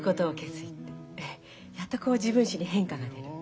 やっとこう自分史に変化が出る。